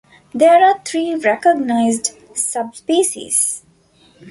There are three recognised subspecies.